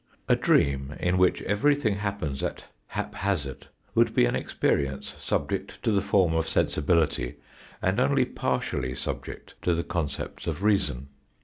A dream in which everything happens at haphazard would be an experience subject to the form of sensibility and only partially subject to the concepts of reason.